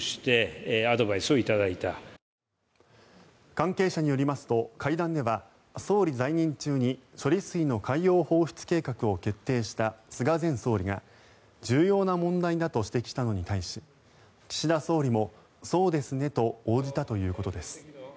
関係者によりますと会談では、総理在任中に処理水の海洋放出計画を決定した菅前総理が重要な問題だと指摘したのに対し岸田総理も、そうですねと応じたということです。